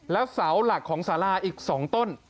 แล้วเสาหลักของสาราอีก๒ต้น